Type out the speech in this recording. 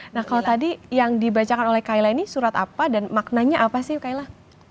nah kalau tadi yang dibacakan oleh kaila ini surat apa dan maknanya apa sih kaila